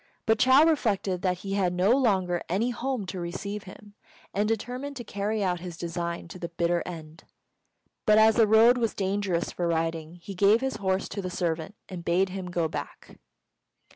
But Chou reflected that he had no longer any home to receive him, and determined to carry out his design to the bitter end; but as the road was dangerous for riding, he gave his horse to the servant, and bade him go back.